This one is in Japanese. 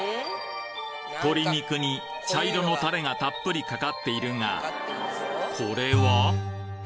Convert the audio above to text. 鶏肉に茶色のタレがたっぷりかかっているがこれは？